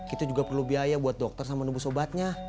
itu juga perlu biaya buat dokter sama nubus obatnya